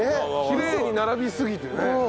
きれいに並びすぎてね。